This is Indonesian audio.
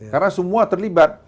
karena semua terlibat